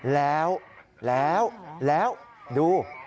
แล้วแล้วแล้วดู